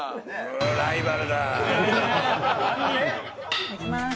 「いただきます」